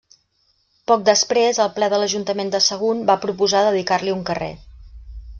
Poc després el ple de l'ajuntament de Sagunt va proposar dedicar-li un carrer.